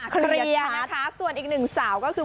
เคลียร์นะคะส่วนอีกหนึ่งสาวก็คือ